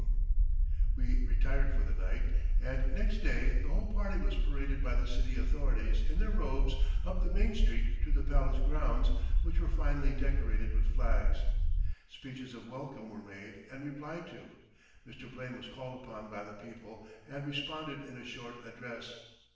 ] We retired for the night, and next day the whole party was paraded by the city authorities in their robes up the main street to the palace grounds which were finely decorated with flags. Speeches of welcome were made and replied to. Mr. Blaine was called upon by the people, and responded in a short address.